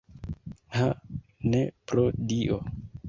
Ha, ne, pro Dio!